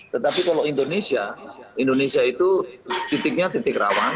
tetapi kalau indonesia indonesia itu titiknya titik rawan